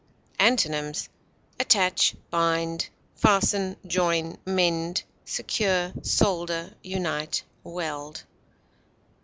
Antonyms: attach, bind, fasten, join, mend, secure, solder, unite, weld.